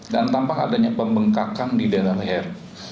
dan tampak adanya pembengkakan di daerah leher